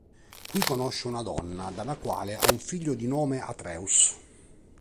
Qui conosce una donna dalla quale ha un figlio di nome Atreus.